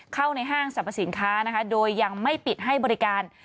เข้าในห้างสรรพสินค้านะคะโดยยังไม่ปิดให้บริการ